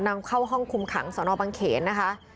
นำเข้าห้องคุมขังสนบังเขนนะคะ